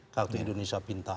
kartu indonesia pintar